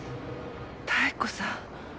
妙子さん。